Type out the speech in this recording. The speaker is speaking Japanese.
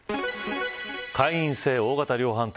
会員制大型量販店